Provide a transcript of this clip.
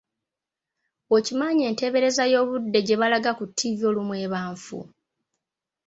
Okimanyi enteebereza y'obudde gye balaga ku ttivi olumu eba ntuufu?